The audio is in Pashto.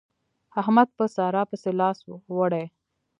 احمد په سارا پسې لاس وړي.